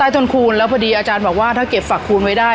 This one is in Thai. ทนคูณแล้วพอดีอาจารย์บอกว่าถ้าเก็บฝักคูณไว้ได้